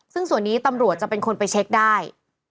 ซึ่งส่วนนี้ตำรวจจะเป็นคนไปเช็คได้